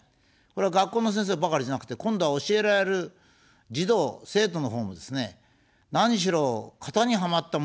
これは学校の先生ばかりじゃなくて、今度は教えられる児童、生徒のほうもですね、何しろ、型にはまったものしかできないと。